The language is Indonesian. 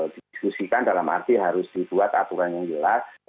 didiskusikan dalam arti harus dibuat aturan yang jelas